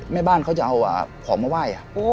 แม่บ้านเขาจะเอาของมาไหว้